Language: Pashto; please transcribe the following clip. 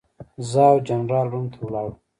زه او جنرال روم ته ولاړو.